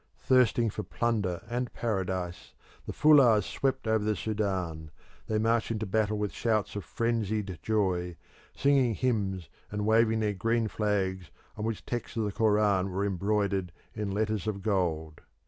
Thirsting for plunder and paradise, the Fulahs swept over the Sudan; they marched into battle with shouts of frenzied joy, singing hymns and waving their green flags on which texts of the Koran were embroidered in letters of gold.